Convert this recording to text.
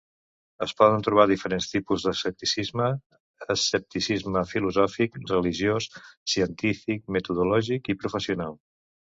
Es poden trobar diferents tipus d'escepticisme; escepticisme filosòfic, religiós, científic, metodològic i professional.